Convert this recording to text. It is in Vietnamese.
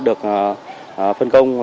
được phân công